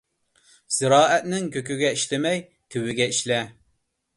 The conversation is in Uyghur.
زىرائەتنىڭ كۆكىگە ئىشلىمەي، تۈۋىگە ئىشلە.